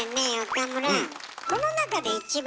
岡村。